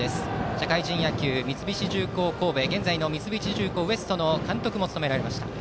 社会人野球、三菱重工神戸現在の三菱重工Ｗｅｓｔの監督も務められました。